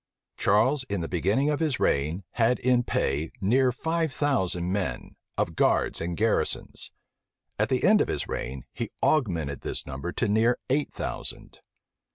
Charles in the beginning of his reign had in pay near five thousand men, of guards and garrisons. At the end of his reign, he augmented this number to near eight thousand.